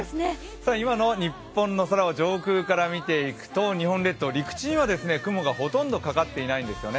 今の日本の空を上空から見ていくと日本列島陸地には雲がほとんどかかっていないんですよね。